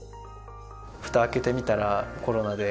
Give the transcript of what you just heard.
フタを開けてみたらコロナで。